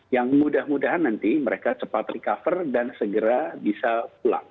yang mudah mudahan nanti mereka cepat recover dan segera bisa pulang